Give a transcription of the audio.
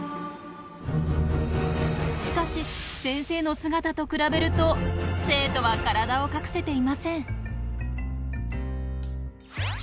しかし先生の姿と比べると生徒は体を隠せていません。